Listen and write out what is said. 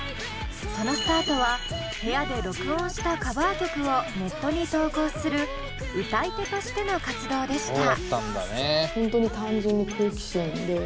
そのスタートは部屋で録音したカバー曲をネットに投稿する歌い手としての活動でした。